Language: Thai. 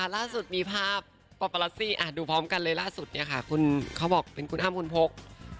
ล่าสุดมีภาพปอปาลัสซี่ดูพร้อมกันเลยล่าสุดเนี่ยค่ะคุณเขาบอกเป็นคุณอ้ำคุณพก